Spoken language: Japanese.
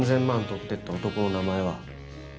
取ってった男の名前は？